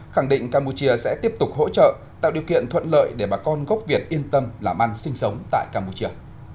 khẳng định campuchia sẽ tiếp tục hỗ trợ tạo điều kiện thuận lợi để bà con gốc việt yên tâm làm ăn sinh sống tại campuchia